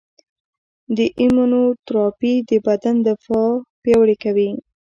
د ایمونوتراپي د بدن دفاع پیاوړې کوي.